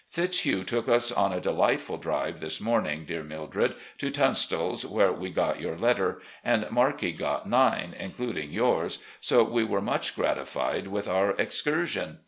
Fitzhugh took us on a delightful drive this morning, dear Mildred, to Tunstall's, where we got your letter, and Markie got nine, including yours, so we were much gratified with our excursion.